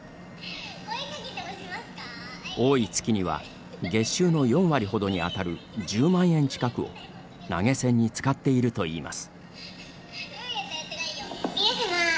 多い月には、月収の４割ほどにあたる１０万円近くを投げ銭に使っているといいます。